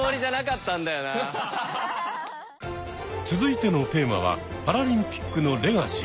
続いてのテーマはパラリンピックのレガシー。